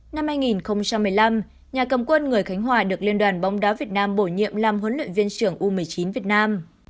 năm hai nghìn một mươi năm nhà cầm quân người khánh hòa được liên đoàn bóng đá việt nam bổ nhiệm làm huấn luyện viên trưởng u một mươi chín việt nam